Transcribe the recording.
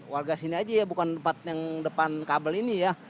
warga sini saja ya bukan depan kabel ini ya